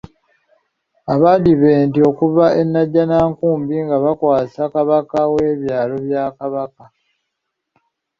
Aba adiventi okuva e Najjanankumbi nga bakwasa Kabaka W'ebyaalo bya Kabaka.